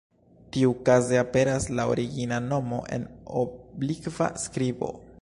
Tiukaze aperas la origina nomo en oblikva skribo.